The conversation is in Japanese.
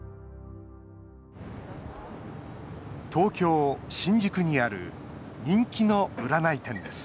東京・新宿にある人気の占い店です